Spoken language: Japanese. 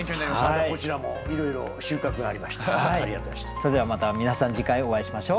それではまた皆さん次回お会いしましょう。